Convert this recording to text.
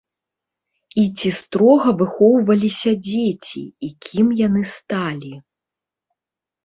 І ці строга выхоўваліся дзеці і кім яны сталі?